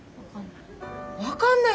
分かんない。